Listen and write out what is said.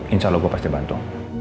insya allah gue pasti bantu